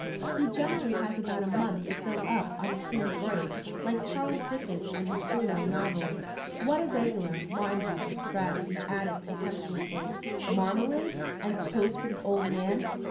He generally has about a month to fill up on a clean break, like Charles Dickens and his serial novels. What a regular, lime juicer spread!" he added contemptuously. "Marmalade and toast for the old man!